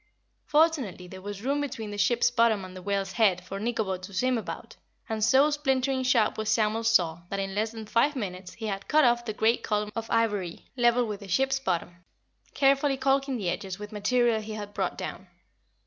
Fortunately there was room between the ship's bottom and the whale's head for Nikobo to swim about, and so splintering sharp was Samuel's saw that in less than five minutes he had cut off the great column of ivory level with the ship's bottom, carefully calking the edges with material he had brought down.